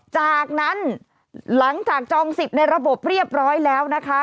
จากนั้นหลังจากจองสิทธิ์ในระบบเรียบร้อยแล้วนะคะ